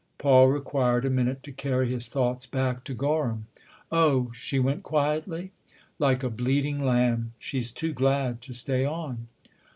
Paul required a minute to carry his thoughts back to Gorham. " Oh, she went quietly ?"" Like a bleating lamb. She's too glad to stay on."